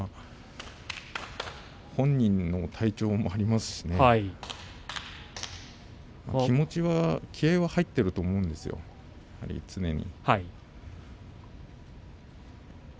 本人の体調もありますし気持ちは気合いが入っていると思うんですよ、常に。